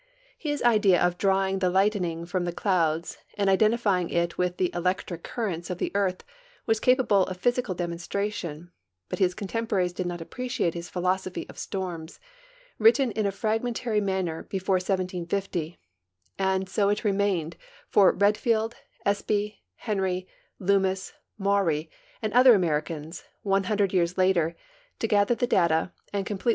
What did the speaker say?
His idea of drawing the lightning from the clouds and identifj'' ing it with the electric currents of the earth was capable of physical demonstration, but his contemporaries did not appre ciate his philosophy of storms, written in a fragmentar}' man ner before 1750, and so it remained for Redfield, Espy, Henry, Loomis, Maury, and other Americans, 100 years later, to gather the data and complete!